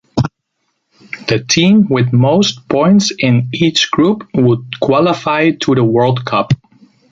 The team with most points in each group would qualify to the World Cup.